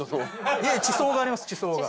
いえ地層があります地層が。